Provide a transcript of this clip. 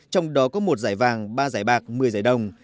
trong đó có một giải vàng ba giải bạc một mươi giải đồng